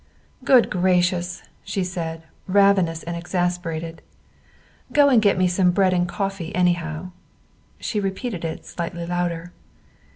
"Good gracious!" she said, ravenous and exasperated. "Go and get me some bread and coffee, anyhow." She repeated it, slightly louder.